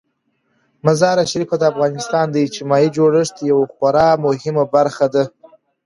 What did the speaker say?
مزارشریف د افغانستان د اجتماعي جوړښت یوه خورا مهمه برخه ده.